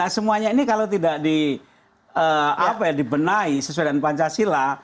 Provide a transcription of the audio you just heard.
semuanya ini kalau tidak dibenahi sesuai dengan pancasila